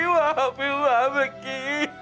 maafin bapak ki